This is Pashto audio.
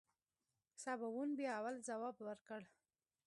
سباوون بيا اول ځواب ورکړ.